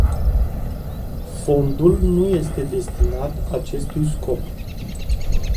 Fondul nu este destinat acestui scop.